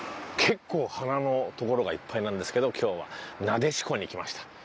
結構花の所がいっぱいなんですけど今日は撫子に来ました。